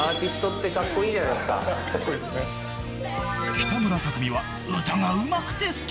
［北村匠海は］